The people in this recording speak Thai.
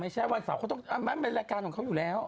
ไม่ใช่วันเสาร์เป็นรายการของเขาอยู่แล้ว